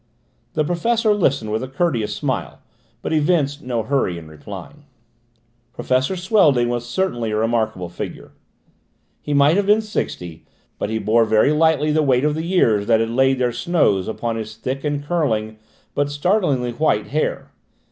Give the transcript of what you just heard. The professor listened with a courteous smile but evinced no hurry in replying. Professor Swelding was certainly a remarkable figure. He might have been sixty, but he bore very lightly the weight of the years that laid their snows upon his thick and curly but startlingly white hair.